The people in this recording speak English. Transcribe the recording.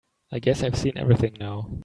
I guess I've seen everything now.